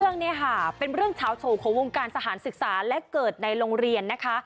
เรื่องนี้ค่ะเป็นเรื่องเฉาโฉของวงการสถานศึกษาและเกิดในโรงเรียนนะคะ